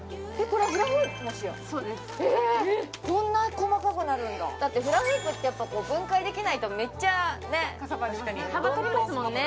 こんな細かくなるんだだってフラフープってやっぱ分解できないとめっちゃかさばりますね